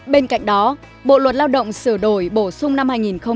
bên cạnh đó bộ luật lao động sửa đổi bổ sung năm hai nghìn một mươi năm